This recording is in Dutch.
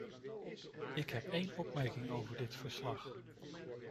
Ik heb één opmerking over dit verslag.